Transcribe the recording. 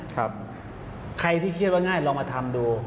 ใครที่คิดว่าง่ายลองมาทำดู